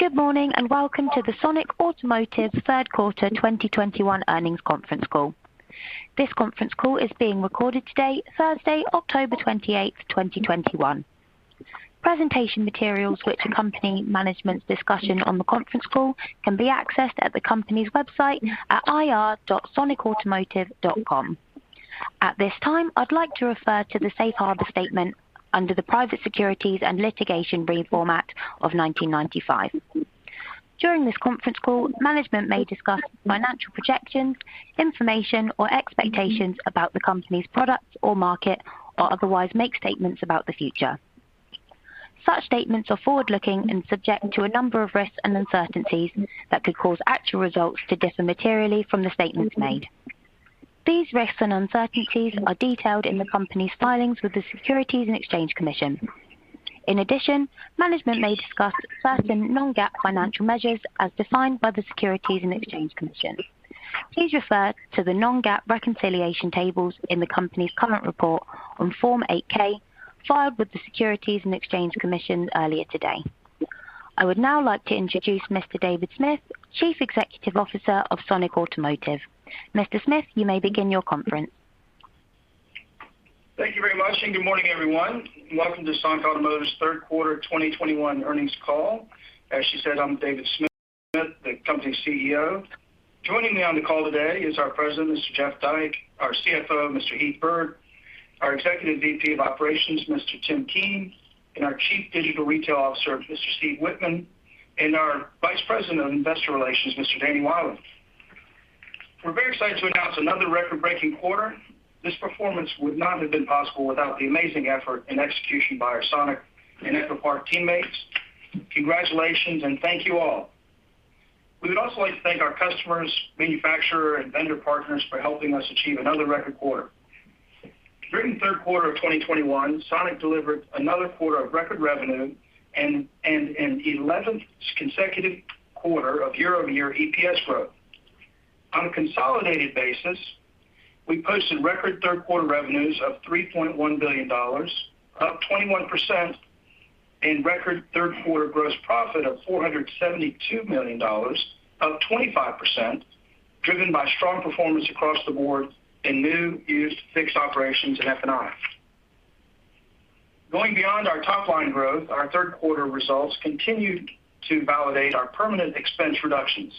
Good morning and welcome to the Sonic Automotive third quarter 2021 earnings conference call. This conference call is being recorded today, Thursday, October 28, 2021. Presentation materials which accompany management's discussion on the conference call can be accessed at the company's website at ir.sonicautomotive.com. At this time, I'd like to refer to the safe harbor statement under the Private Securities Litigation Reform Act of 1995. During this conference call, management may discuss financial projections, information or expectations about the company's products or market or otherwise make statements about the future. Such statements are forward-looking and subject to a number of risks and uncertainties that could cause actual results to differ materially from the statements made. These risks and uncertainties are detailed in the company's filings with the Securities and Exchange Commission. In addition, management may discuss certain non-GAAP financial measures as defined by the Securities and Exchange Commission. Please refer to the non-GAAP reconciliation tables in the company's current report on Form 8-K filed with the Securities and Exchange Commission earlier today. I would now like to introduce Mr. David Smith, Chief Executive Officer of Sonic Automotive. Mr. Smith, you may begin your conference. Thank you very much, and good morning, everyone. Welcome to Sonic Automotive's third quarter 2021 earnings call. As she said, I'm David Smith, the company's CEO. Joining me on the call today is our President, Mr. Jeff Dyke, our CFO, Mr. Heath Byrd, our Executive VP of Operations, Mr. Tim Keen, and our Chief Digital Retail Officer, Mr. Steve Wittman, and our Vice President of Investor Relations, Mr. Danny Wieland. We're very excited to announce another record-breaking quarter. This performance would not have been possible without the amazing effort and execution by our Sonic and EchoPark teammates. Congratulations, and thank you all. We would also like to thank our customers, manufacturer, and vendor partners for helping us achieve another record quarter. During the third quarter of 2021, Sonic delivered another quarter of record revenue and 11th consecutive quarter of year-over-year EPS growth. On a consolidated basis, we posted record third quarter revenues of $3.1 billion, up 21% in record third quarter gross profit of $472 million, up 25%, driven by strong performance across the board in new, used, fixed operations, and F&I. Going beyond our top-line growth, our third quarter results continued to validate our permanent expense reductions,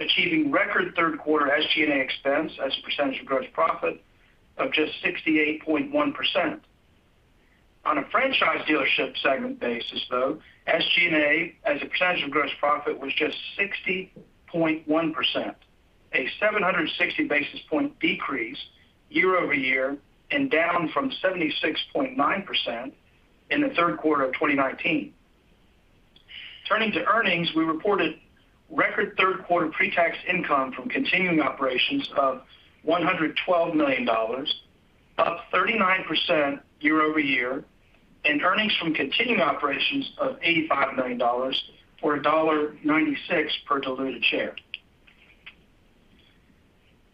achieving record third quarter SG&A expense as a percentage of gross profit of just 68.1%. On a franchise dealership segment basis, though, SG&A as a percentage of gross profit was just 60.1%, a 760 basis point decrease year-over-year and down from 76.9% in the third quarter of 2019. Turning to earnings, we reported record third quarter pre-tax income from continuing operations of $112 million, up 39% year-over-year, and earnings from continuing operations of $85 million or $1.96 per diluted share.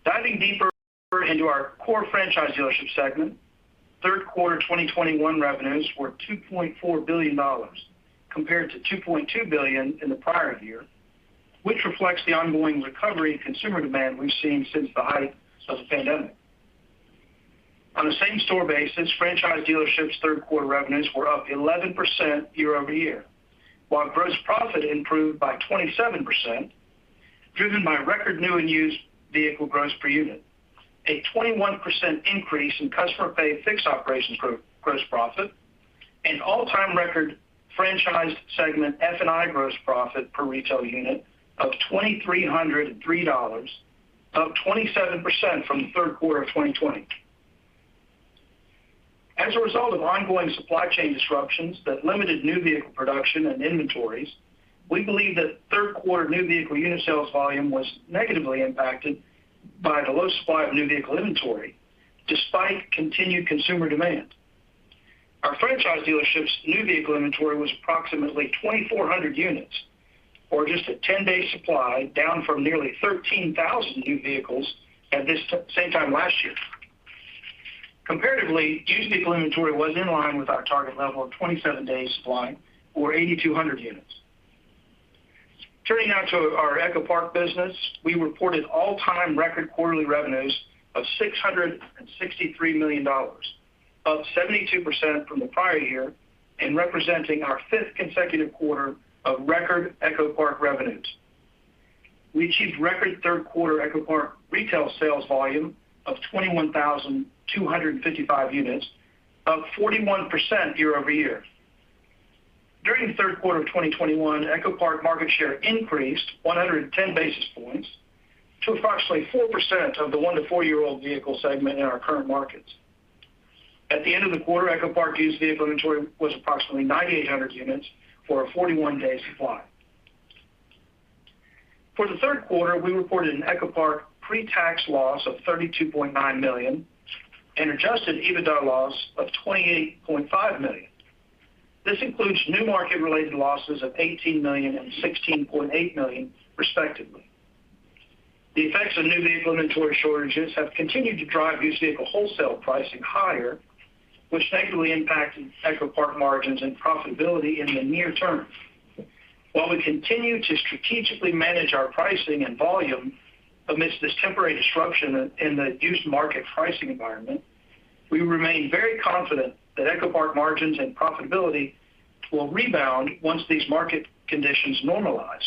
Diving deeper into our core franchise dealership segment, third quarter 2021 revenues were $2.4 billion compared to $2.2 billion in the prior year, which reflects the ongoing recovery in consumer demand we've seen since the height of the pandemic. On the same-store basis, franchise dealerships third quarter revenues were up 11% year-over-year, while gross profit improved by 27%, driven by record new and used vehicle gross per unit, a 21% increase in customer paid fixed operations gross profit, and all-time record franchised segment F&I gross profit per retail unit of $2,303, up 27% from the third quarter of 2020. As a result of ongoing supply chain disruptions that limited new vehicle production and inventories, we believe that third quarter new vehicle unit sales volume was negatively impacted by the low supply of new vehicle inventory despite continued consumer demand. Our franchise dealerships new vehicle inventory was approximately 2,400 units or just a 10-day supply down from nearly 13,000 new vehicles at this same time last year. Comparatively, used vehicle inventory was in line with our target level of 27-day supply or 8,200 units. Turning now to our EchoPark business. We reported all-time record quarterly revenues of $663 million, up 72% from the prior year and representing our fifth consecutive quarter of record EchoPark revenues. We achieved record third quarter EchoPark retail sales volume of 21,255 units, up 41% year-over-year. During the third quarter of 2021, EchoPark market share increased 110 basis points to approximately 4% of the one to four-year-old vehicle segment in our current markets. At the end of the quarter, EchoPark used vehicle inventory was approximately 9,800 units for a 41-day supply. For the third quarter, we reported an EchoPark pre-tax loss of $32.9 million and adjusted EBITDA loss of $28.5 million. This includes new market related losses of $18 million and $16.8 million, respectively. The effects of new vehicle inventory shortages have continued to drive used vehicle wholesale pricing higher, which negatively impacted EchoPark margins and profitability in the near-term. While we continue to strategically manage our pricing and volume amidst this temporary disruption in the used market pricing environment, we remain very confident that EchoPark margins and profitability will rebound once these market conditions normalize,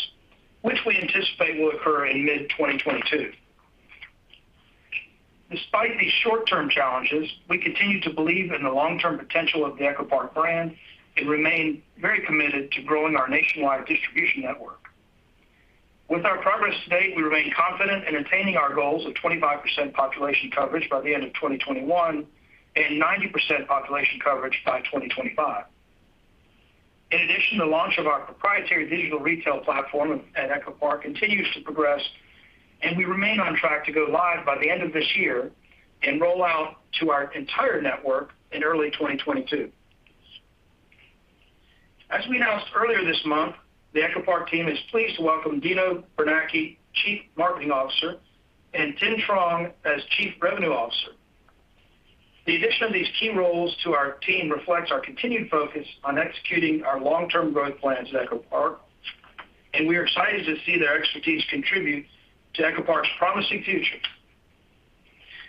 which we anticipate will occur in mid-2022. Despite these short-term challenges, we continue to believe in the long-term potential of the EchoPark brand and remain very committed to growing our nationwide distribution network. With our progress to date, we remain confident in attaining our goals of 25% population coverage by the end of 2021 and 90% population coverage by 2025. In addition, the launch of our proprietary digital retail platform at EchoPark continues to progress, and we remain on track to go live by the end of this year and roll out to our entire network in early 2022. As we announced earlier this month, the EchoPark team is pleased to welcome Dino Bernacchi, Chief Marketing Officer, and Thien Truong as Chief Revenue Officer. The addition of these key roles to our team reflects our continued focus on executing our long-term growth plans at EchoPark, and we are excited to see their expertise contribute to EchoPark's promising future.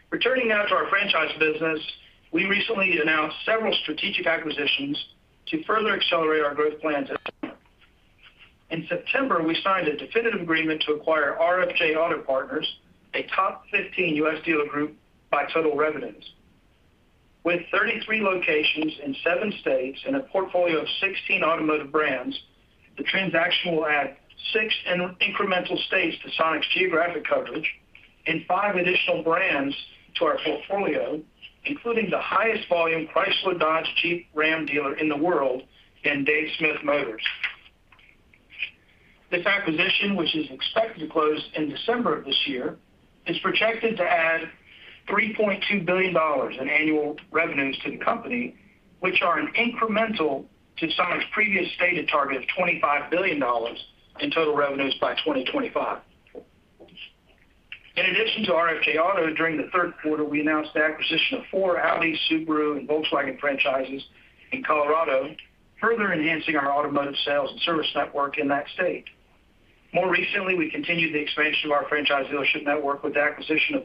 Returning now to our franchise business, we recently announced several strategic acquisitions to further accelerate our growth plans at Sonic. In September, we signed a definitive agreement to acquire RFJ Auto Partners, a top 15 U.S. dealer group by total revenues. With 33 locations in seven states and a portfolio of 16 automotive brands, the transaction will add six incremental states to Sonic's geographic coverage and five additional brands to our portfolio, including the highest volume Chrysler, Dodge, Jeep, RAM dealer in the world in Dave Smith Motors. This acquisition, which is expected to close in December of this year, is projected to add $3.2 billion in annual revenues to the company, which are an incremental to Sonic's previous stated target of $25 billion in total revenues by 2025. In addition to RFJ Auto, during the third quarter, we announced the acquisition of four Audi, Subaru, and Volkswagen franchises in Colorado, further enhancing our automotive sales and service network in that state. More recently, we continued the expansion of our franchise dealership network with the acquisition of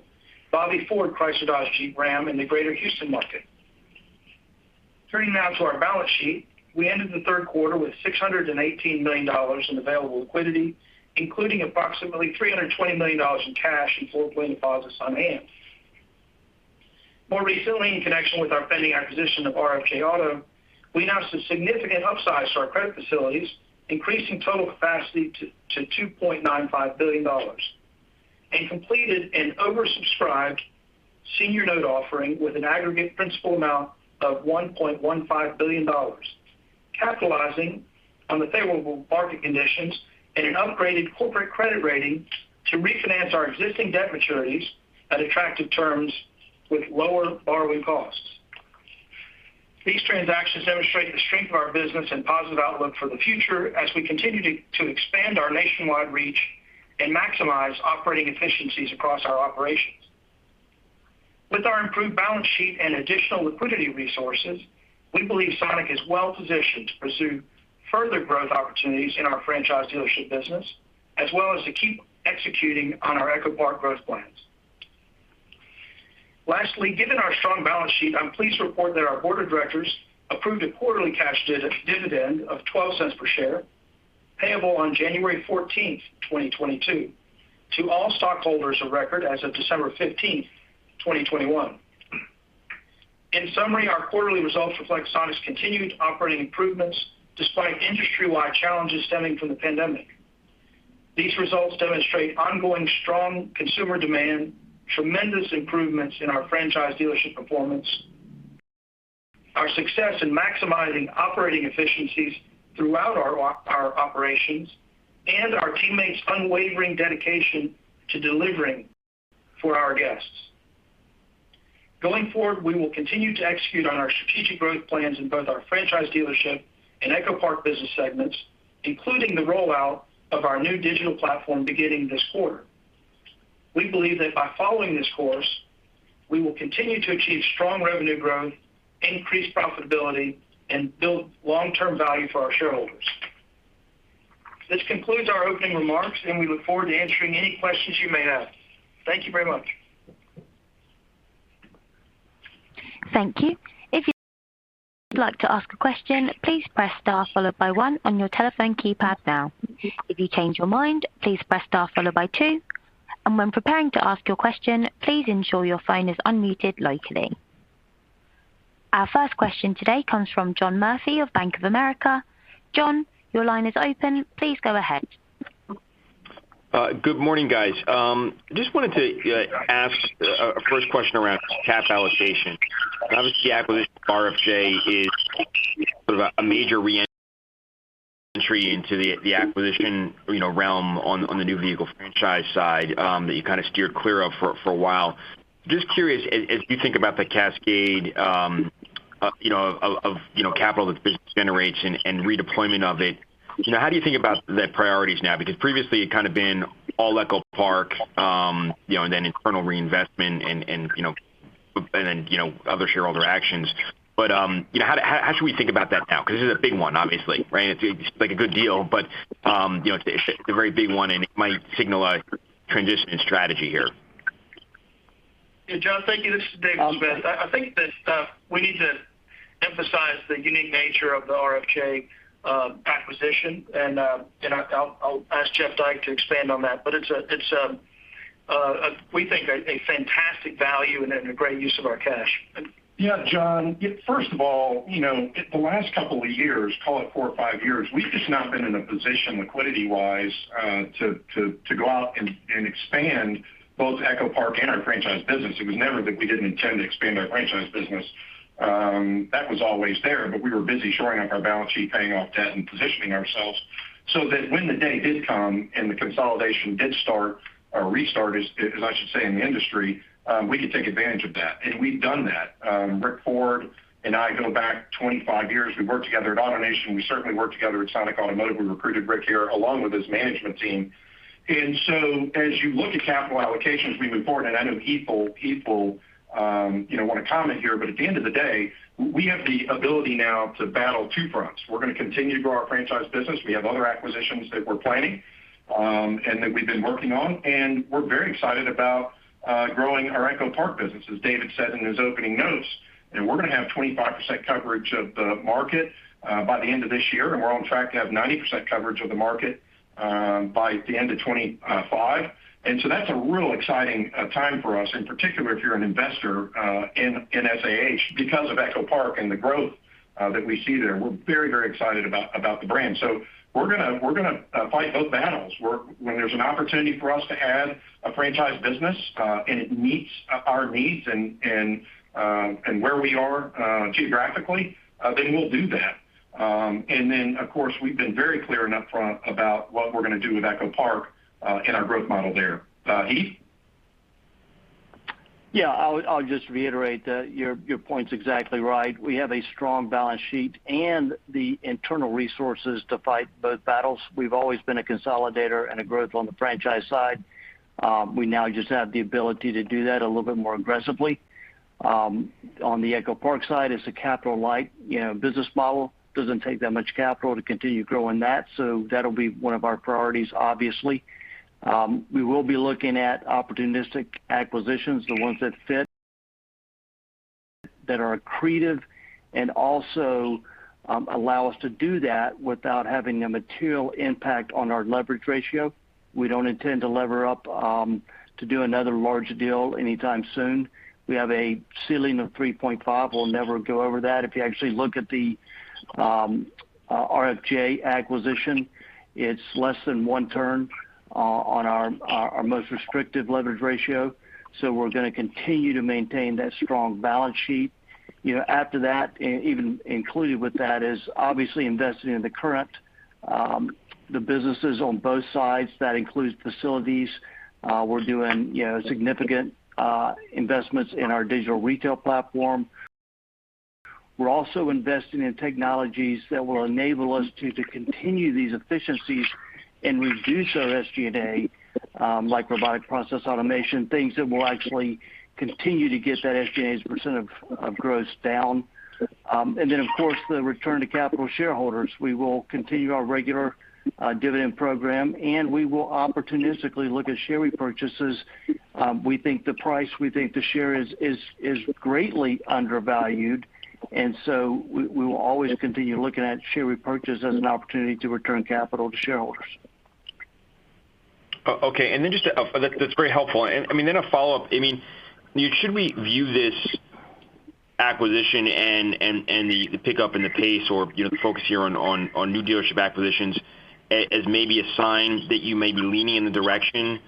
Bobby Ford Chrysler Dodge Jeep RAM in the Greater Houston market. Turning now to our balance sheet. We ended the third quarter with $618 million in available liquidity, including approximately $320 million in cash and floorplan deposits on hand. More recently, in connection with our pending acquisition of RFJ Auto, we announced a significant upsize to our credit facilities, increasing total capacity to $2.95 billion, and completed an oversubscribed senior note offering with an aggregate principal amount of $1.15 billion, capitalizing on the favorable market conditions and an upgraded corporate credit rating to refinance our existing debt maturities at attractive terms with lower borrowing costs. These transactions demonstrate the strength of our business and positive outlook for the future as we continue to expand our nationwide reach and maximize operating efficiencies across our operations. With our improved balance sheet and additional liquidity resources, we believe Sonic is well positioned to pursue further growth opportunities in our franchise dealership business, as well as to keep executing on our EchoPark growth plans. Lastly, given our strong balance sheet, I'm pleased to report that our board of directors approved a quarterly cash dividend of $0.12 per share, payable on January 14th, 2022 to all stockholders of record as of December 15th, 2021. In summary, our quarterly results reflect Sonic's continued operating improvements despite industry-wide challenges stemming from the pandemic. These results demonstrate ongoing strong consumer demand, tremendous improvements in our franchise dealership performance, our success in maximizing operating efficiencies throughout our operations, and our teammates' unwavering dedication to delivering for our guests. Going forward, we will continue to execute on our strategic growth plans in both our franchise dealership and EchoPark business segments, including the rollout of our new digital platform beginning this quarter. We believe that by following this course, we will continue to achieve strong revenue growth, increase profitability, and build long-term value for our shareholders. This concludes our opening remarks, and we look forward to answering any questions you may have. Thank you very much. Thank you. If you'd like to ask a question, please press star followed by one on your telephone keypad now. If you change your mind, please press star followed by two. When preparing to ask your question, please ensure your phone is unmuted locally. Our first question today comes from John Murphy of Bank of America. John, your line is open. Please go ahead. Good morning, guys. Just wanted to ask a first question around cash allocation. Obviously, the acquisition of RFJ is sort of a major re-entry into the acquisition realm on the new vehicle franchise side that you kind of steered clear of for a while. Just curious, as you think about the cascade of, you know, capital that's been generated and redeployment of it. You know, how do you think about the priorities now? Because previously it kind of been all EchoPark, you know, and then internal reinvestment and then other shareholder actions. You know, how should we think about that now? Because this is a big one, obviously, right? It's like a good deal, but you know, it's a very big one, and it might signal a transition in strategy here. Yeah, John, thank you. This is David. I think that we need to emphasize the unique nature of the RFJ acquisition. I'll ask Jeff Dyke to expand on that. It's, we think, a fantastic value and a great use of our cash. Yeah, John, first of all, you know, the last couple of years, call it four or five years, we've just not been in a position liquidity-wise to go out and expand both EchoPark and our franchise business. It was never that we didn't intend to expand our franchise business. That was always there, but we were busy shoring up our balance sheet, paying off debt, and positioning ourselves so that when the day did come and the consolidation did start or restart, as I should say, in the industry, we could take advantage of that. We've done that. Rick Ford and I go back 25 years. We worked together at AutoNation. We certainly worked together at Sonic Automotive. We recruited Rick here along with his management team. As you look at capital allocations moving forward, and I know people, you know, want to comment here, but at the end of the day, we have the ability now to battle two fronts. We're going to continue to grow our franchise business. We have other acquisitions that we're planning, and that we've been working on, and we're very excited about growing our EchoPark business, as David said in his opening notes. We're going to have 25% coverage of the market by the end of this year, and we're on track to have 90% coverage of the market by the end of 2025. That's a real exciting time for us, and particularly if you're an investor in SAH because of EchoPark and the growth that we see there. We're very, very excited about the brand. We're going to fight both battles. When there's an opportunity for us to add a franchise business, and it meets our needs and where we are geographically, then we'll do that. Of course, we've been very clear and upfront about what we're going to do with EchoPark and our growth model there. Heath? Yeah. I'll just reiterate your point's exactly right. We have a strong balance sheet and the internal resources to fight both battles. We've always been a consolidator and a growth on the franchise side. We now just have the ability to do that a little bit more aggressively. On the EchoPark side, it's a capital light, you know, business model. Doesn't take that much capital to continue growing that, so that'll be one of our priorities, obviously. We will be looking at opportunistic acquisitions, the ones that fit, that are accretive and also allow us to do that without having a material impact on our leverage ratio. We don't intend to lever up to do another large deal anytime soon. We have a ceiling of 3.5. We'll never go over that. If you actually look at the RFJ acquisition, it's less than one turn on our most restrictive leverage ratio. We're going to continue to maintain that strong balance sheet. You know, after that, and even included with that is obviously investing in the current businesses on both sides. That includes facilities. We're doing you know significant investments in our digital retail platform. We're also investing in technologies that will enable us to continue these efficiencies and reduce our SG&A, like robotic process automation, things that will actually continue to get that SG&A's percent of gross down. Then of course, the return to capital shareholders. We will continue our regular dividend program, and we will opportunistically look at share repurchases. We think the share is greatly undervalued, and so we will always continue looking at share repurchase as an opportunity to return capital to shareholders. Okay. That's very helpful. I mean, then a follow-up. I mean, should we view this acquisition and the pickup in the pace or, you know, the focus here on new dealership acquisitions as maybe a sign that you may be leaning in the direction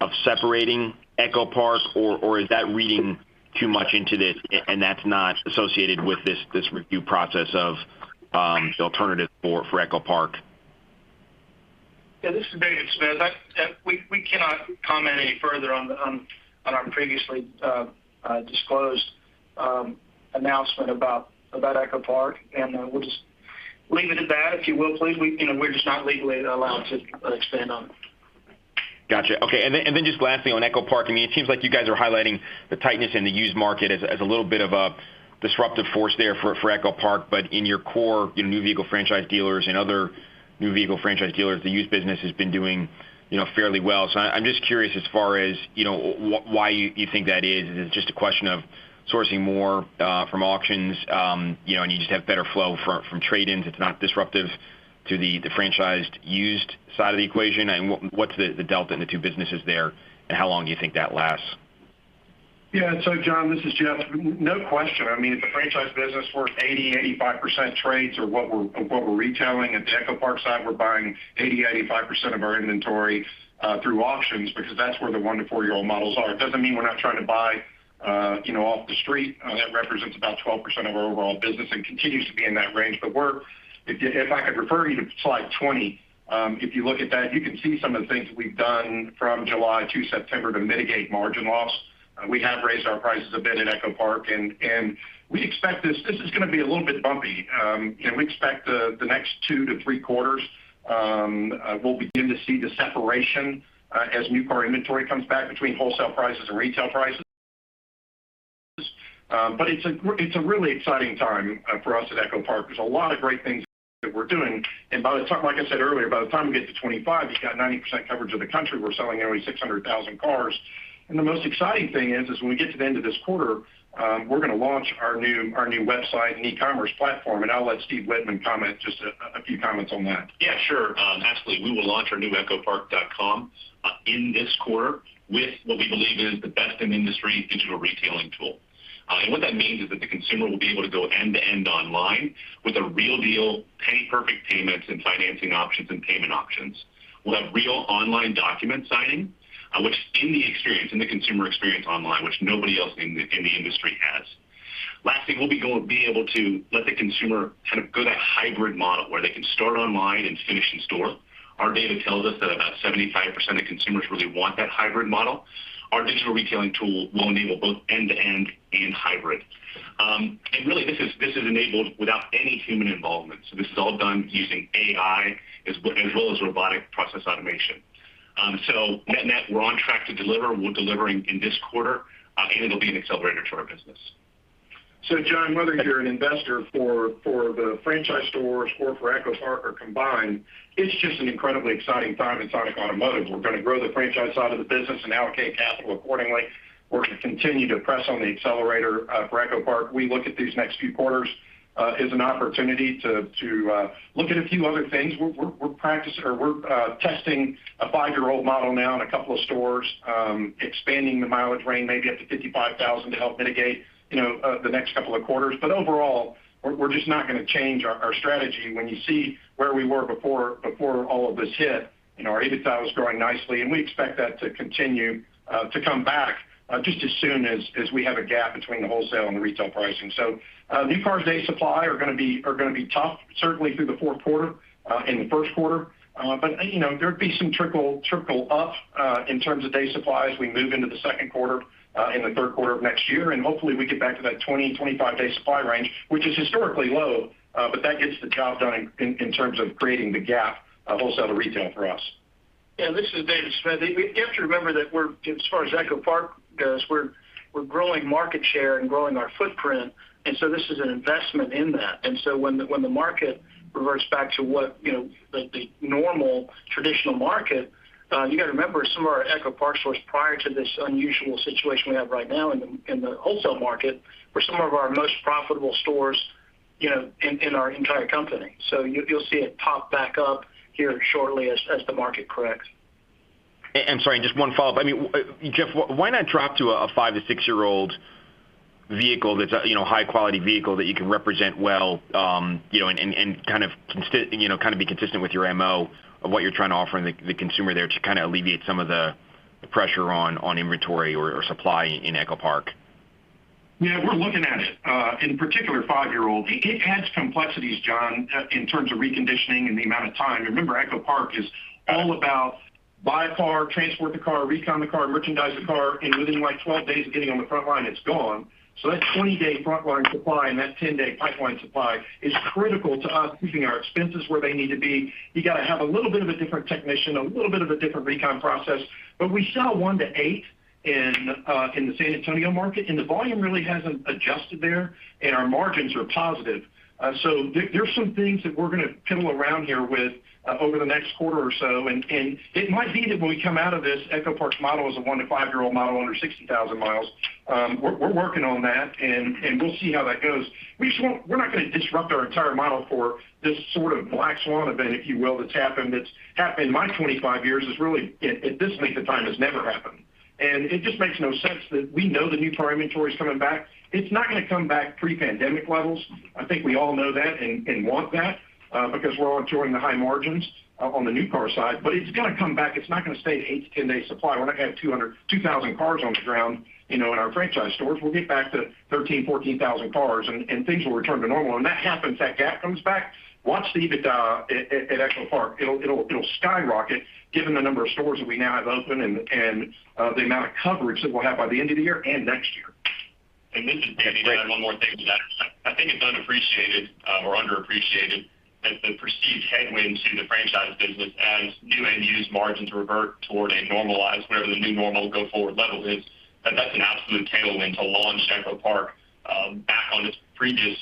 of separating EchoPark? Is that reading too much into this and that's not associated with this review process of the alternative for EchoPark? Yeah, this is David Smith. We cannot comment any further on our previously disclosed announcement about EchoPark. We'll just leave it at that, if you will, please. We, you know, we're just not legally allowed to expand on it. Got you. Okay. Then just lastly on EchoPark, I mean, it seems like you guys are highlighting the tightness in the used market as a little bit of a disruptive force there for EchoPark. But in your core, your new vehicle franchise dealers and other new vehicle franchise dealers, the used business has been doing, you know, fairly well. So I'm just curious as far as, you know, why you think that is. Is it just a question of sourcing more from auctions, you know, and you just have better flow from trade-ins? It's not disruptive to the franchised used side of the equation? And what's the delta in the two businesses there, and how long do you think that lasts? Yeah. John, this is Jeff. No question. I mean, if the franchise business we're 80%, 85% trades are what we're retailing. At the EchoPark side, we're buying 80%, 85% of our inventory through auctions because that's where the one, four-year-old models are. It doesn't mean we're not trying to buy, you know, off the street. That represents about 12% of our overall business and continues to be in that range. If I could refer you to slide 20, if you look at that, you can see some of the things we've done from July to September to mitigate margin loss. We have raised our prices a bit at EchoPark, and we expect this. This is going to be a little bit bumpy. We expect the next two to three quarters, we'll begin to see the separation as new car inventory comes back between wholesale prices and retail prices. It's a really exciting time for us at EchoPark. There's a lot of great things that we're doing. Like I said earlier, by the time we get to 2025, we've got 90% coverage of the country. We're selling nearly 600,000 cars. The most exciting thing is when we get to the end of this quarter, we're going to launch our new website and e-commerce platform. I'll let Steve Wittman comment just a few comments on that. Yeah, sure. Actually, we will launch our new echopark.com in this quarter with what we believe is the best in the industry digital retailing tool. What that means is that the consumer will be able to go end-to-end online with a real deal, penny perfect payments and financing options and payment options. We'll have real online document signing, which in the experience, in the consumer experience online, which nobody else in the industry has. Last thing, we'll be able to let the consumer kind of go that hybrid model, where they can start online and finish in store. Our data tells us that about 75% of consumers really want that hybrid model. Our digital retailing tool will enable both end-to-end and hybrid. Really this is enabled without any human involvement. This is all done using AI as well as robotic process automation. Net-net, we're on track to deliver. We're delivering in this quarter. It'll be an accelerator to our business. John, whether you're an investor for the franchise stores or for EchoPark or combined, it's just an incredibly exciting time inside of automotive. We're going to grow the franchise side of the business and allocate capital accordingly. We're going to continue to press on the accelerator for EchoPark. We look at these next few quarters as an opportunity to look at a few other things. We're testing a five-year-old model now in a couple of stores, expanding the mileage range maybe up to 55,000 to help mitigate you know the next couple of quarters. But overall, we're just not going to change our strategy. When you see where we were before all of this hit, you know, our EBITDA was growing nicely, and we expect that to continue to come back just as soon as we have a gap between the wholesale and the retail pricing. New cars day supply are going to be tough, certainly through the fourth quarter in the first quarter. You know, there'd be some trickle up in terms of day supply as we move into the second quarter in the third quarter of next year. Hopefully we get back to that 20-25 day supply range, which is historically low, but that gets the job done in terms of creating the gap of wholesale to retail for us. Yeah, this is David Smith. We have to remember that we're, as far as EchoPark goes, we're growing market share and growing our footprint, and so this is an investment in that. When the market reverts back to what, you know, the normal traditional market, you got to remember some of our EchoPark stores prior to this unusual situation we have right now in the wholesale market were some of our most profitable stores, you know, in our entire company. You'll see it pop back up here shortly as the market corrects. Sorry, just one follow-up. I mean, Jeff, why not drop to a five, six-year-old vehicle that's a, you know, high quality vehicle that you can represent well, you know, and kind of be consistent with your MO of what you're trying to offer the consumer there to kinda alleviate some of the pressure on inventory or supply in EchoPark? Yeah, we're looking at it. In particular five-year-old. It adds complexities, John, in terms of reconditioning and the amount of time. Remember, EchoPark is all about buy a car, transport the car, recon the car, merchandise the car, and within like 12 days of getting on the front line, it's gone. That 20-day front line supply and that 10-day pipeline supply is critical to us keeping our expenses where they need to be. You got to have a little bit of a different technician, a little bit of a different recon process. We sell on e to eight in the San Antonio market, and the volume really hasn't adjusted there, and our margins are positive. There are some things that we're going to fiddle around here with over the next quarter or so. It might be that when we come out of this, EchoPark's model is a one to five-year-old model under 60,000 miles. We're working on that and we'll see how that goes. We're not going to disrupt our entire model for this sort of black swan event, if you will, that's happened in my 25 years. It's really at this point in time has never happened. It just makes no sense that we know the new car inventory is coming back. It's not going to come back pre-pandemic levels. I think we all know that and want that, because we're all enjoying the high margins on the new car side. It's going to come back. It's not going to stay at eight to 10-day supply. We're not going to have 2,000 cars on the ground, you know, in our franchise stores. We'll get back to 13,000, 14,000 cars and things will return to normal. When that happens, that gap comes back. Watch the EBITDA at EchoPark. It'll skyrocket given the number of stores that we now have open and the amount of coverage that we'll have by the end of the year and next year. This is Danny. One more thing to that. I think it's unappreciated or underappreciated that the perceived headwind to the franchise business as new and used margins revert toward a normalized, whatever the new normal go forward level is, that's an absolute tailwind to launch EchoPark back on its previous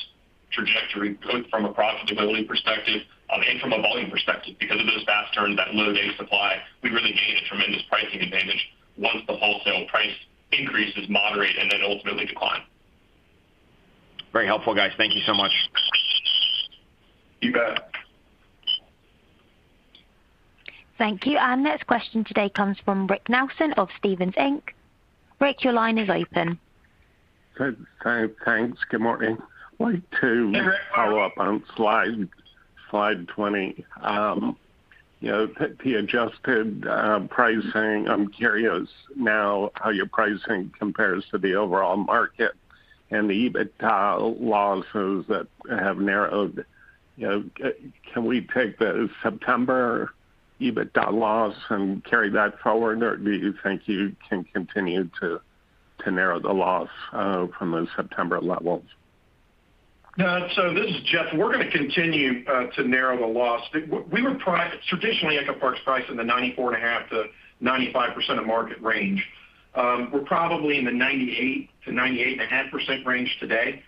trajectory, both from a profitability perspective, and from a volume perspective. Because of those fast turns, that low day supply, we really gain a tremendous pricing advantage once the wholesale price increases moderate and then ultimately decline. Very helpful, guys. Thank you so much. You bet. Thank you. Our next question today comes from Rick Nelson of Stephens Inc. Rick, your line is open. Thanks. Good morning. Hey, Rick. Follow up on slide 20. You know, the adjusted pricing. I'm curious now how your pricing compares to the overall market. The EBITDA losses that have narrowed, you know, can we take the September EBITDA loss and carry that forward or do you think you can continue to narrow the loss from the September levels? This is Jeff. We're going to continue to narrow the loss. We were traditionally EchoPark's priced in the 94.5%-95% of market range. We're probably in the 98%-98.5% range today.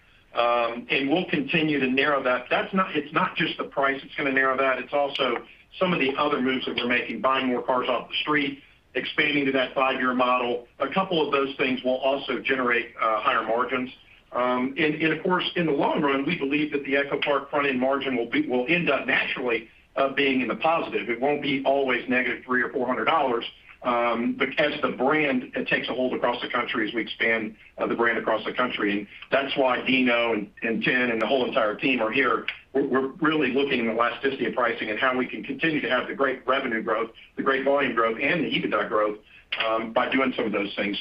We'll continue to narrow that. That's not just the price that's going to narrow that, it's also some of the other moves that we're making, buying more cars off the street, expanding to that five-year model. A couple of those things will also generate higher margins. Of course, in the long run, we believe that the EchoPark front-end margin will end up naturally being in the positive. It won't be always negative $300, $400, but as the brand takes a hold across the country as we expand the brand across the country. That's why Dino and Tim and the whole entire team are here. We're really looking at the elasticity of pricing and how we can continue to have the great revenue growth, the great volume growth, and the EBITDA growth by doing some of those things.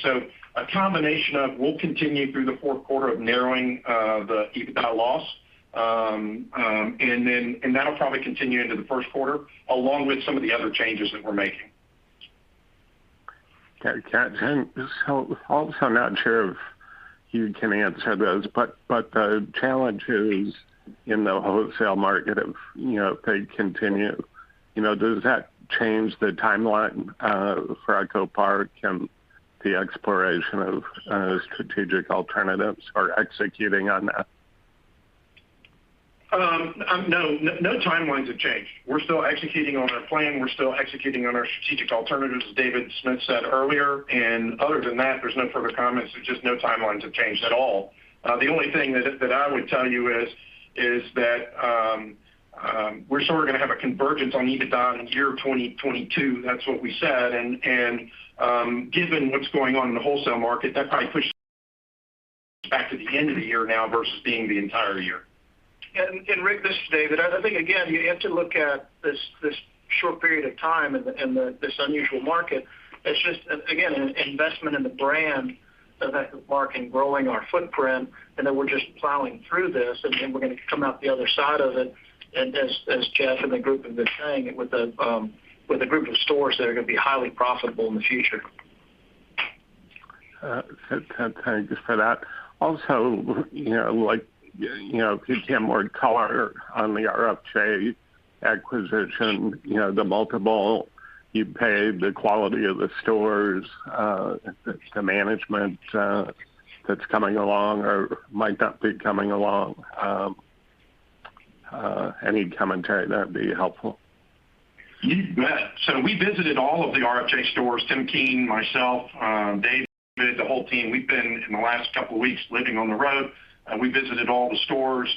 A combination of we'll continue through the fourth quarter of narrowing the EBITDA loss, and that'll probably continue into the first quarter, along with some of the other changes that we're making. Okay. Jeff, so also I'm not sure if you can answer those, but the challenges in the wholesale market have, you know, if they continue, you know, does that change the timeline for EchoPark and the exploration of strategic alternatives or executing on that? No timelines have changed. We're still executing on our plan. We're still executing on our strategic alternatives, as David Smith said earlier. Other than that, there's no further comments. There's just no timelines have changed at all. The only thing that I would tell you is that we're sort of going to have a convergence on EBITDA in the year 2022. That's what we said. Given what's going on in the wholesale market, that probably pushed back to the end of the year now versus being the entire year. Rick, this is David. I think, again, you have to look at this short period of time and this unusual market as just, again, an investment in the brand of EchoPark and growing our footprint, and that we're just plowing through this, and then we're going to come out the other side of it. As Jeff and the group have been saying, with a group of stores that are going to be highly profitable in the future. Thank you for that. Also, you know, like, you know, could you give more color on the RFJ acquisition, you know, the multiple you paid, the quality of the stores, if it's the management, that's coming along or might not be coming along. Any commentary, that'd be helpful. You bet. We visited all of the RFJ stores, Tim Keen, myself, Dave, the whole team. We've been in the last couple weeks living on the road. We visited all the stores.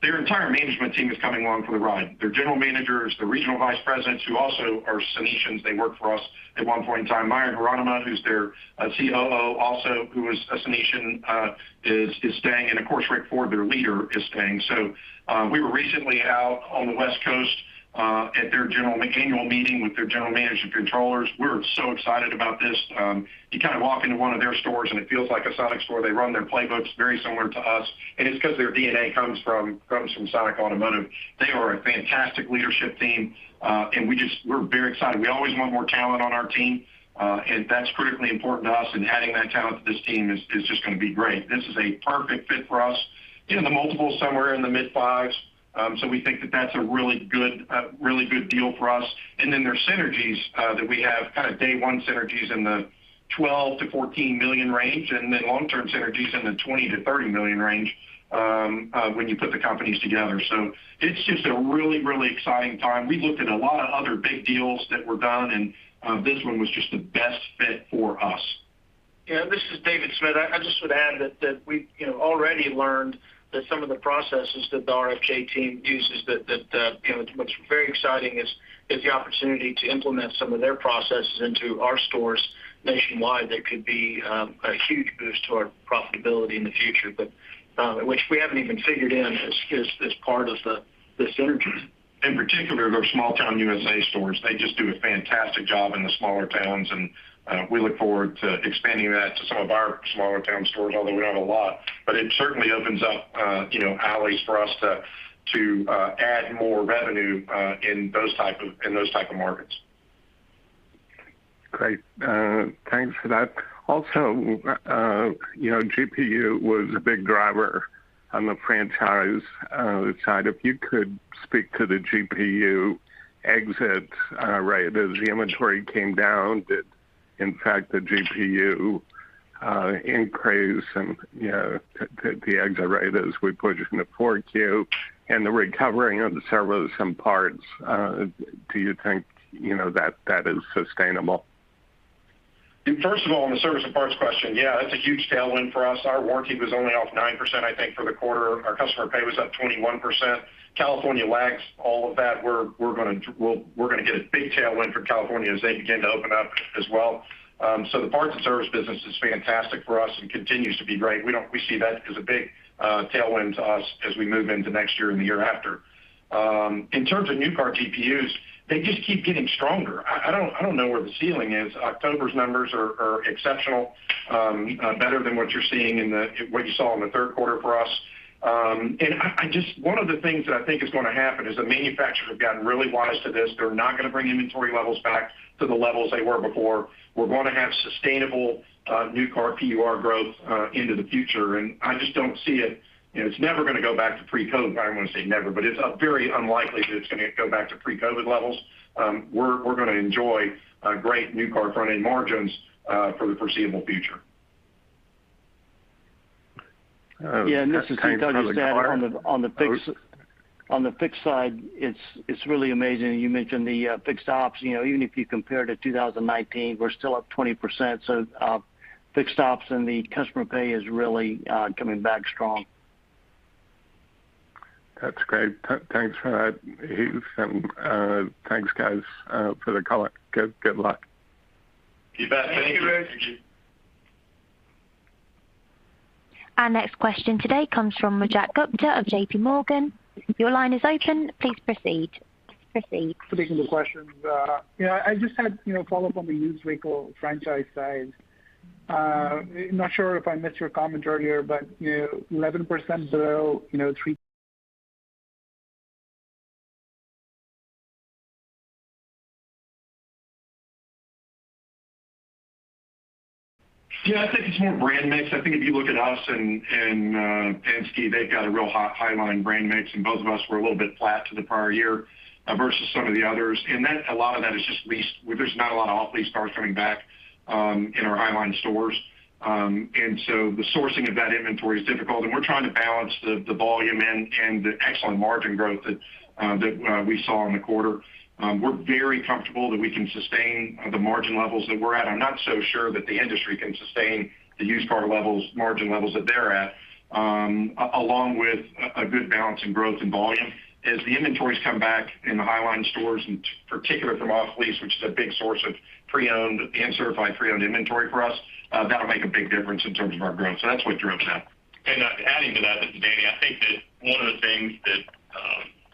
Their entire management team is coming along for the ride, their general managers, the regional vice presidents, who also are Sonicians. They worked for us at one point in time. Maya Hiranand, who's their COO also, who is a Sonician, is staying. Of course, Rick Ford, their leader, is staying. We were recently out on the West Coast at their general annual meeting with their general managers and controllers. We're so excited about this. You kind of walk into one of their stores, and it feels like a Sonic store. They run their playbooks very similar to us, and it's 'cause their DNA comes from Sonic Automotive. They are a fantastic leadership team, and we're very excited. We always want more talent on our team, and that's critically important to us, and adding that talent to this team is just going to be great. This is a perfect fit for us. You know, the multiple is somewhere in the mid-fives, so we think that that's a really good, really good deal for us. Then there's synergies that we have, kind of day one synergies in the $12 million-$14 million range, and then long-term synergies in the $20 million-$30 million range, when you put the companies together. It's just a really, really exciting time. We looked at a lot of other big deals that were done, and this one was just the best fit for us. Yeah, this is David Smith. I just would add that we've already learned that some of the processes that the RFJ team uses, you know, what's very exciting is the opportunity to implement some of their processes into our stores nationwide. They could be a huge boost to our profitability in the future. Which we haven't even figured in as part of the synergies. In particular, their Small Town USA stores, they just do a fantastic job in the smaller towns, and we look forward to expanding that to some of our smaller town stores, although we don't have a lot. It certainly opens up, you know, avenues for us to add more revenue in those type of markets. Great. Thanks for that. Also, you know, GPU was a big driver on the franchise side. If you could speak to the GPU exit rate as the inventory came down that, in fact, the GPU increased and, you know, the exit rate as we push into 4Q, and the recovery of the service and parts, do you think, you know, that is sustainable? First of all, on the service and parts question, yeah, that's a huge tailwind for us. Our warranty was only off 9%, I think, for the quarter. Our customer pay was up 21%. California lags all of that. We're going to get a big tailwind for California as they begin to open up as well. The parts and service business is fantastic for us and continues to be great. We see that as a big tailwind to us as we move into next year and the year after. In terms of new car GPUs, they just keep getting stronger. I don't know where the ceiling is. October's numbers are exceptional, better than what you saw in the third quarter for us. One of the things that I think is going to happen is the manufacturers have gotten really wise to this. They're not going to bring inventory levels back to the levels they were before. We're going to have sustainable new car GPU growth into the future, and I just don't see it. You know, it's never going to go back to pre-COVID. I don't want to say never, but it's very unlikely that it's going to go back to pre-COVID levels. We're going to enjoy great new car front-end margins for the foreseeable future. Yeah. This is on the fixed side, it's really amazing. You mentioned the fixed ops. You know, even if you compare to 2019, we're still up 20%. Fixed ops and the customer pay is really coming back strong. That's great. Thanks for that, Heath. Thanks, guys, for the color. Good luck. You bet. Thank you. Thank you. Our next question today comes from Rajat Gupta of JPMorgan. Your line is open. Please proceed. Thanks for taking the questions. Yeah, I just had, you know, a follow-up on the used vehicle franchise side. [Not sure if I missed your comment earlier, but, you know, 11% below, you know, three]. Yeah, I think it's more brand mix. I think if you look at us and Penske, they've got a real high-line brand mix, and both of us were a little bit flat to the prior year versus some of the others. A lot of that is just lease. There's not a lot of off-lease cars coming back in our high-line stores. So the sourcing of that inventory is difficult, and we're trying to balance the volume and the excellent margin growth that we saw in the quarter. We're very comfortable that we can sustain the margin levels that we're at. I'm not so sure that the industry can sustain the used-car levels, margin levels that they're at along with a good balance in growth and volume. As the inventories come back in the highline stores, and particularly from off lease, which is a big source of pre-owned and certified pre-owned inventory for us, that'll make a big difference in terms of our growth. That's what drives that. Adding to that, this is Danny. I think that one of the things that, you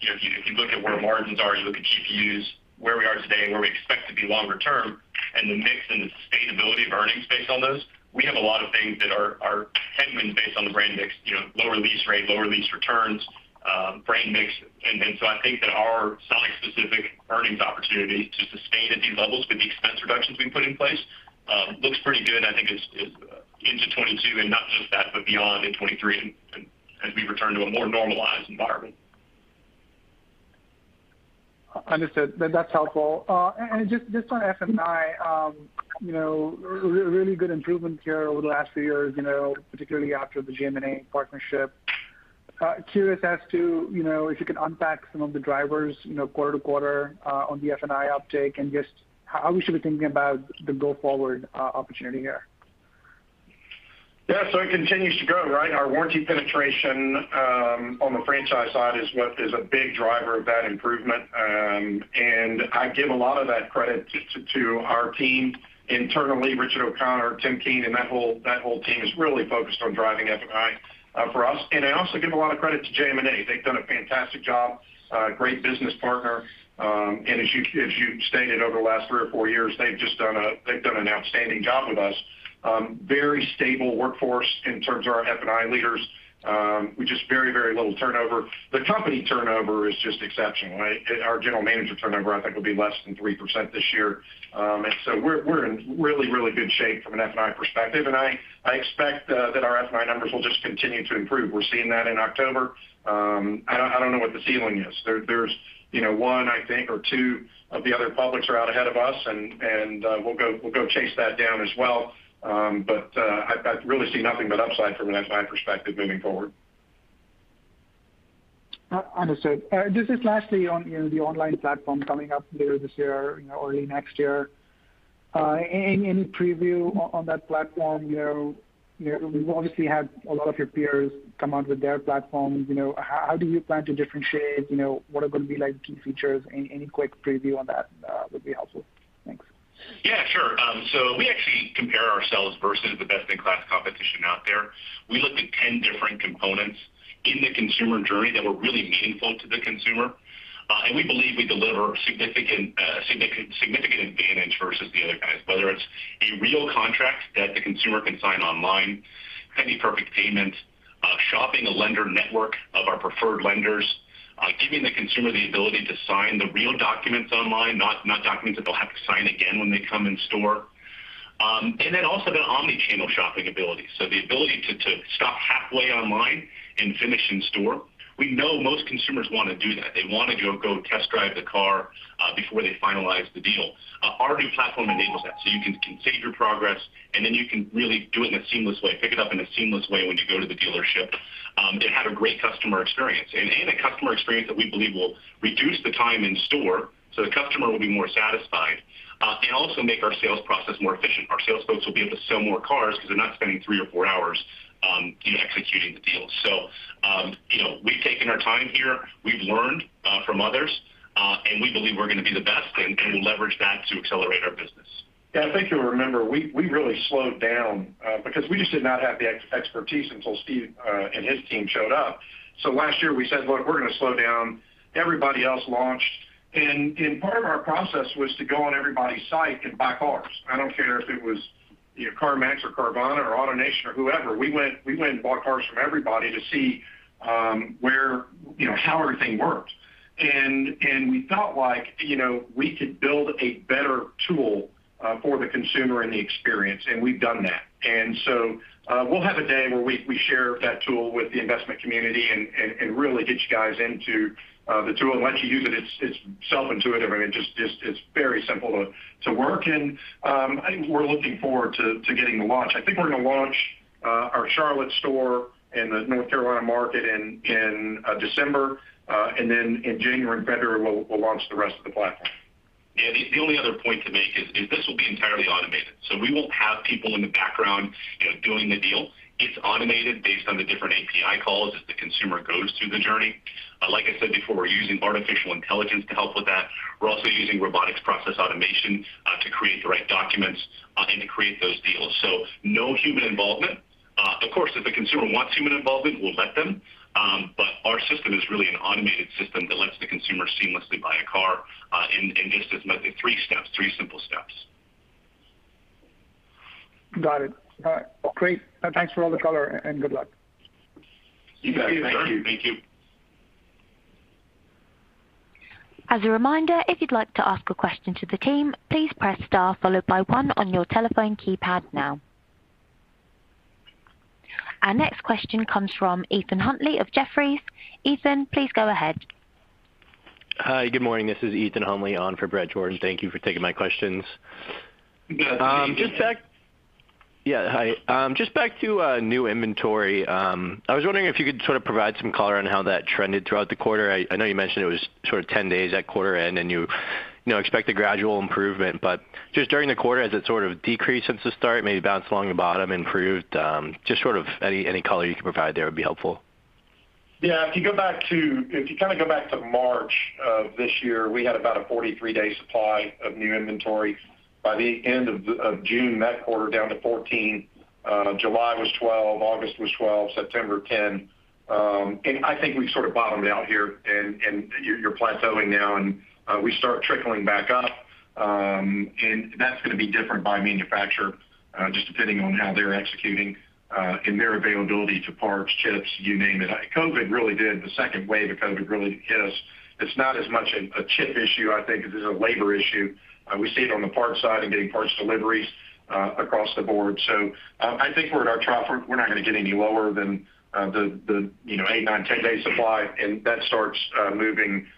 know, if you, if you look at where margins are, as you look at GPUs, where we are today and where we expect to be longer-term, and the mix and the sustainability of earnings based on those, we have a lot of things that are headwind based on the brand mix, you know, lower lease rate, lower lease returns, brand mix. So I think that our selling specific earnings opportunity to sustain at these levels with the expense reductions we've put in place looks pretty good. I think it's into 2022, and not just that, but beyond in 2023 as we return to a more normalized environment. Understood. That's helpful. Just on F&I, you know, really good improvement here over the last few years, you know, particularly after the JM&A partnership. Curious as to, you know, if you could unpack some of the drivers, you know, quarter to quarter, on the F&I uptake, and just how we should be thinking about the go-forward opportunity here. It continues to grow, right? Our warranty penetration on the franchise side is what is a big driver of that improvement. I give a lot of that credit to our team internally, Richard O'Connor, Tim Keen, and that whole team is really focused on driving F&I for us. I also give a lot of credit to JM&A. They've done a fantastic job, great business partner. As you stated, over the last three or four years, they've done an outstanding job with us. Very stable workforce in terms of our F&I leaders, with just very little turnover. The company turnover is just exceptional, right? Our general manager turnover, I think, will be less than 3% this year. We're in really good shape from an F&I perspective. I expect that our F&I numbers will just continue to improve. We're seeing that in October. I don't know what the ceiling is. There's you know one I think or two of the other publics are out ahead of us, and we'll go chase that down as well. I really see nothing but upside from an F&I perspective moving forward. Understood. Just lastly on, you know, the online platform coming up later this year, you know, early next year. Any preview on that platform? You know, you obviously have a lot of your peers come out with their platforms. You know, how do you plan to differentiate? You know, what are going to be, like, key features? Any quick preview on that would be helpful. Thanks. Yeah, sure. We actually compare ourselves versus the best-in-class competition out there. We looked at 10 different components in the consumer journey that were really meaningful to the consumer. We believe we deliver significant advantage versus the other guys, whether it's a real contract that the consumer can sign online, penny perfect payment, shopping a lender network of our preferred lenders, giving the consumer the ability to sign the real documents online, not documents that they'll have to sign again when they come in store. The omni-channel shopping ability, so the ability to stop halfway online and finish in store. We know most consumers want to do that. They want to go test drive the car before they finalize the deal. Our new platform enables that. You can save your progress. Then you can really do it in a seamless way, pick it up in a seamless way when you go to the dealership, and have a great customer experience and a customer experience that we believe will reduce the time in store so the customer will be more satisfied, and also make our sales process more efficient. Our sales folks will be able to sell more cars because they're not spending three or four hours in executing the deal. You know, we've taken our time here, we've learned from others, and we believe we're going to be the best, and we'll leverage that to accelerate our business. Yeah. I think you'll remember we really slowed down because we just did not have the expertise until Steve and his team showed up. Last year we said, "Look, we're going to slow down." Everybody else launched. Part of our process was to go on everybody's site and buy cars. I don't care if it was you know CarMax or Carvana or AutoNation or whoever. We went and bought cars from everybody to see where you know how everything worked. We felt like you know we could build a better tool for the consumer and the experience, and we've done that. We'll have a day where we share that tool with the investment community and really get you guys into the tool. Once you use it's self-intuitive. I mean, just it's very simple to work. I think we're looking forward to getting the launch. I think we're going to launch our Charlotte store in the North Carolina market in December. In January and February, we'll launch the rest of the platform. Yeah. The only other point to make is this will be entirely automated. We won't have people in the background, you know, doing the deal. It's automated based on the different API calls as the consumer goes through the journey. Like I said before, we're using artificial intelligence to help with that. We're also using robotic process automation to create the right documents and to create those deals. No human involvement. Of course, if the consumer wants human involvement, we'll let them. Our system is really an automated system that lets the consumer seamlessly buy a car in just three simple steps. Got it. All right. Great. Thanks for all the color and good luck. You bet. Thank you. Thank you. As a reminder, if you'd like to ask a question to the team, please press star followed by one on your telephone keypad now. Our next question comes from Ethan Huntley of Jefferies. Ethan, please go ahead. Hi, good morning. This is Ethan Huntley on for Bret Jordan. Thank you for taking my questions. Good afternoon. Hi. Just back to new inventory. I was wondering if you could sort of provide some color on how that trended throughout the quarter. I know you mentioned it was sort of 10 days at quarter end, and you know, expect a gradual improvement. But just during the quarter, has it sort of decreased since the start, maybe bounced along the bottom, improved? Just sort of any color you can provide there would be helpful. If you kind of go back to March of this year, we had about a 43-day supply of new inventory. By the end of June, that quarter down to 14. July was 12, August was 12, September 10. I think we've sort of bottomed out here and you're plateauing now, and we start trickling back up. That's going to be different by manufacturer, just depending on how they're executing, and their availability of parts, chips, you name it. The second wave of COVID really hit us. It's not as much a chip issue, I think as it is a labor issue. We see it on the parts side and getting parts deliveries, across the board. I think we're at our trough. We're not going to get any lower than the you know eight, nine, 10-day supply. That starts moving back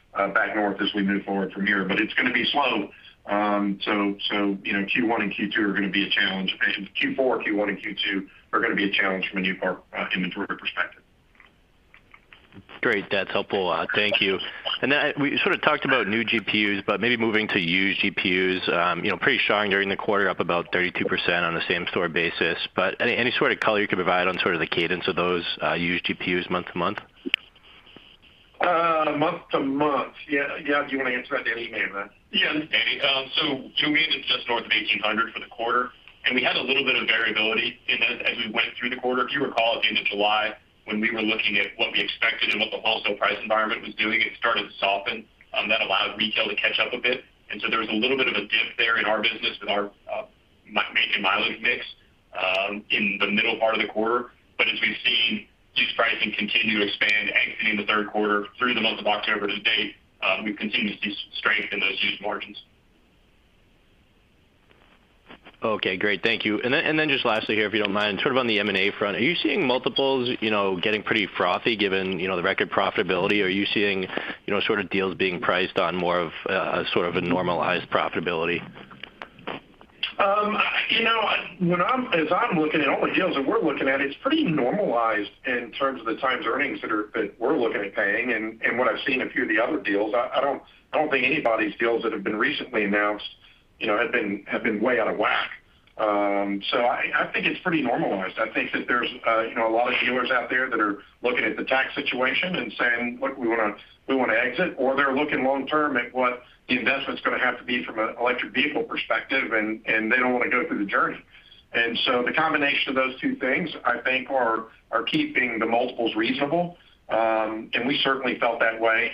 north as we move forward from here. It's going to be slow. You know Q1 and Q2 are going to be a challenge. Q4, Q1, and Q2 are going to be a challenge from a new car inventory perspective. Great. That's helpful. Thank you. Then we sort of talked about new GPUs, but maybe moving to used GPUs. You know, pretty strong during the quarter, up about 32% on the same-store basis. But any sort of color you could provide on sort of the cadence of those used GPUs month to month? Month-to-month. Yeah, yeah. Do you want to answer that, Danny? Yeah, man. Yeah, this is Danny. To me, it's just north of $1,800 for the quarter, and we had a little bit of variability in that as we went through the quarter. If you recall, at the end of July, when we were looking at what we expected and what the wholesale price environment was doing, it started to soften. That allowed retail to catch up a bit. There was a little bit of a dip there in our business, in our make and mileage mix, in the middle part of the quarter. As we've seen used pricing continue to expand exiting the third quarter through the month of October to date, we've continued to strengthen those used margins. Okay, great. Thank you. Then just lastly here, if you don't mind, sort of on the M&A front, are you seeing multiples, you know, getting pretty frothy given, you know, the record profitability? Are you seeing, you know, sort of deals being priced on more of, sort of a normalized profitability? You know, as I'm looking at all the deals that we're looking at, it's pretty normalized in terms of the times earnings that we're looking at paying and what I've seen a few of the other deals. I don't think anybody's deals that have been recently announced, you know, have been way out of whack. I think it's pretty normalized. I think that there's you know, a lot of dealers out there that are looking at the tax situation and saying, "Look, we want to exit." They're looking long-term at what the investment's going to have to be from an electric vehicle perspective, and they don't want to go through the journey. The combination of those two things, I think are keeping the multiples reasonable. We certainly felt that way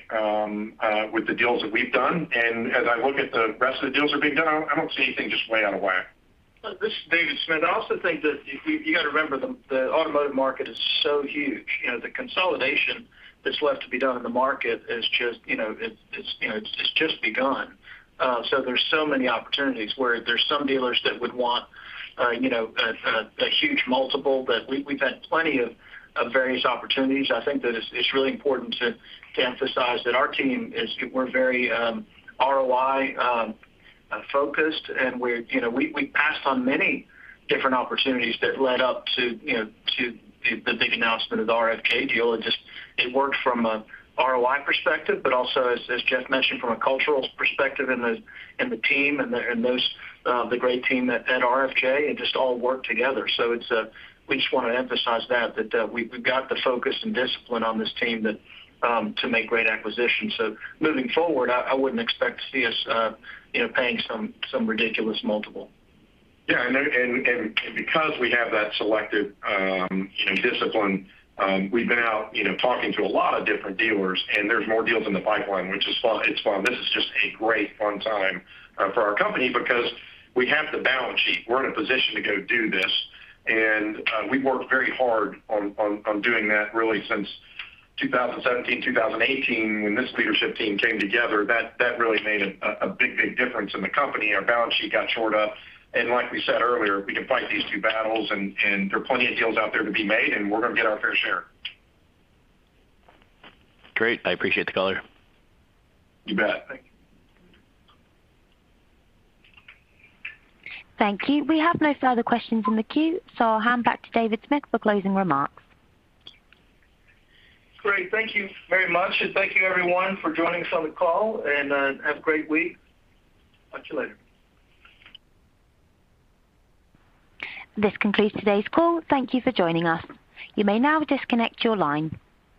with the deals that we've done. As I look at the rest of the deals that are being done, I don't see anything just way out of whack. This is David Smith. I also think that you got to remember the automotive market is so huge. You know, the consolidation that's left to be done in the market, you know, it's just begun. So there's so many opportunities, where there's some dealers that would want, you know, a huge multiple, but we've had plenty of various opportunities. I think that it's really important to emphasize that our team is very ROI focused, and you know, we passed on many different opportunities that led up you know, to the big announcement of the RFJ deal. It just worked from a ROI perspective, but also, as Jeff mentioned, from a cultural perspective and the team and those great team at RFJ. It just all worked together. We just want to emphasize that we've got the focus and discipline on this team to make great acquisitions. Moving forward, I wouldn't expect to see us, you know, paying some ridiculous multiple. Because we have that selective, you know, discipline, we've been out, you know, talking to a lot of different dealers, and there's more deals in the pipeline, which is fun. It's fun. This is just a great, fun time for our company because we have the balance sheet. We're in a position to go do this. We've worked very hard on doing that really since 2017, 2018, when this leadership team came together. That really made a big difference in the company. Our balance sheet got shored up. Like we said earlier, we can fight these two battles and there are plenty of deals out there to be made, and we're going to get our fair share. Great. I appreciate the color. You bet. Thank you. Thank you. We have no further questions in the queue, so I'll hand back to David Smith for closing remarks. Great. Thank you very much, and thank you everyone for joining us on the call. Have a great week. Talk to you later. This concludes today's call. Thank you for joining us. You may now disconnect your line.